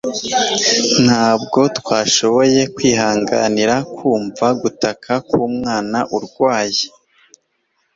ntabwo twashoboye kwihanganira kumva gutaka kwumwana urwaye